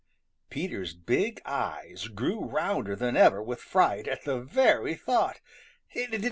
Peter's big eyes grew rounder than ever with fright at the very thought.